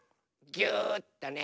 ぎゅっとね。